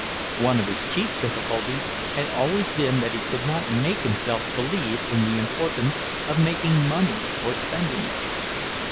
One of his chief difficulties had always been that he could not make himself believe in the importance of making money or spending it.